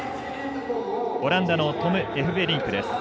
オランダのトム・エフベリンクです。